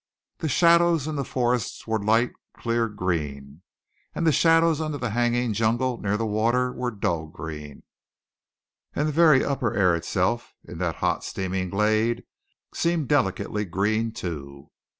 The shadows in the forest were light clear green, and the shadows under the hanging jungle near the water were dull green; and the very upper air itself, in that hot steaming glade, seemed delicately green, too.